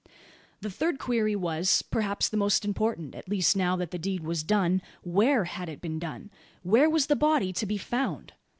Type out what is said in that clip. The third query was, perhaps, the most important at least now that the deed was done. Where had it been done? Where was the body to be found?